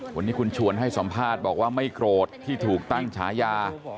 วันนี้คุณชวนให้สัมภาษณ์บอกว่าไม่โกรธที่ถูกตั้งฉายา